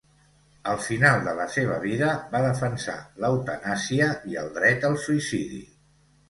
Al final de la seva vida va defensar l'eutanàsia i el dret al suïcidi.